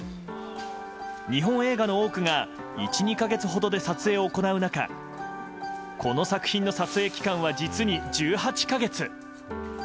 日本映画の多くが１２か月で撮影を行う中この作品の撮影期間は実に１８か月。